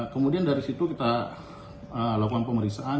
kemudian dari situ kita lakukan pemeriksaan